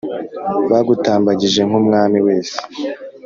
bagutambagije nk’umwami wese